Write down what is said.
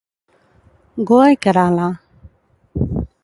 Goa i Kerala.